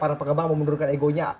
para pekebang mau menurunkan egonya